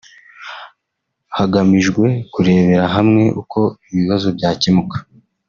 hagamijwe kurebera hamwe uko ibi bibazo byakemuka